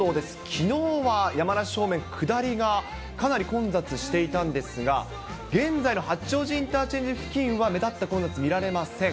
きのうは山梨方面、下りがかなり混雑していたんですが、現在の八王子インターチェンジ付近は、目立った混雑見られません。